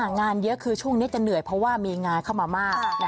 งานเยอะคือช่วงนี้จะเหนื่อยเพราะว่ามีงานเข้ามามาก